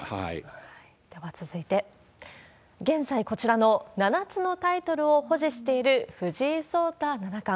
では続いて、現在、こちらの７つのタイトルを保持している藤井聡太七冠。